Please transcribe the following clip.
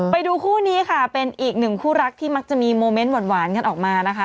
ไปดูคู่นี้ค่ะเป็นอีกหนึ่งคู่รักที่มักจะมีโมเมนต์หวานกันออกมานะคะ